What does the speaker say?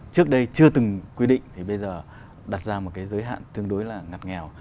trước đây chưa từng quy định thì bây giờ đặt ra một cái giới hạn tương đối là ngặt nghèo